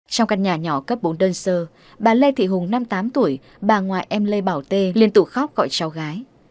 trong căn nhà nhỏ cấp bốn đơn sơ bà lê thị hùng năm mươi tám tuổi bà ngoại em lê bảo tê liên tục khóc gọi cháu gái